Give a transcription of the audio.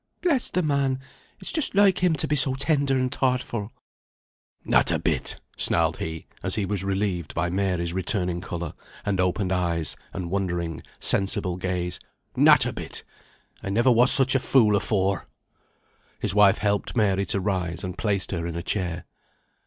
"Bless the man! It's just like him to be so tender and thoughtful!" "Not a bit!" snarled he, as he was relieved by Mary's returning colour, and opened eyes, and wondering, sensible gaze; "not a bit! I never was such a fool afore." His wife helped Mary to rise, and placed her in a chair.